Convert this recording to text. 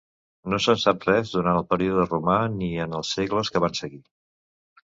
No se'n sap res durant el període romà ni en els segles que van seguir.